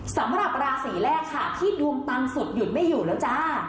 สำหรับราศีแรกค่ะที่ดวงปังสุดหยุดไม่อยู่แล้วจ้า